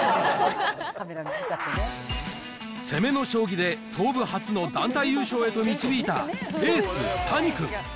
攻めの将棋で、創部初の団体優勝へと導いたエース、谷君。